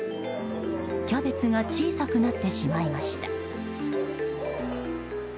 キャベツが小さくなってしまいました。